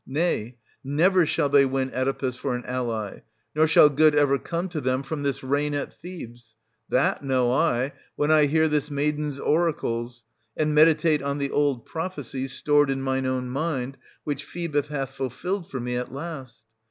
Nay, never shall they win Oedipus 450 for an ally, nor shall good ever come to them from this reign at Thebes ; that know I, when I hear this maiden's oracles, and meditate on the old prophecies stored in mine own mind, which Phoebus hath fulfilled for me at last.